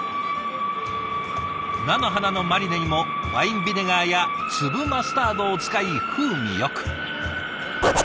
菜の花のマリネにもワインビネガーや粒マスタードを使い風味よく。